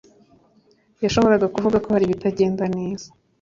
yashoboraga kuvuga ko hari ibitagenda neza.